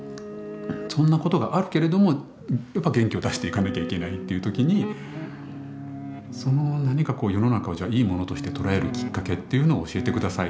そんなことがあるけれどもやっぱ元気を出していかなきゃいけないっていう時にその何かこう世の中をじゃあいいものとして捉えるきっかけっていうのを教えて下さい。